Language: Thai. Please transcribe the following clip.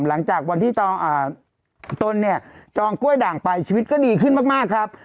หลังจากวันที่ตนเนี่ยจองกล้วยด่างไปชีวิตก็ดีขึ้นมากครับ